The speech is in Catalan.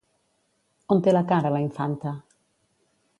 On té la cara la infanta?